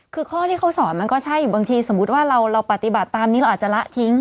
คือข้อที่เขาสอนมันก็ใช่อยู่บางทีสมมุติว่าเราปฏิบัติตามนี้เราอาจจะละทิ้ง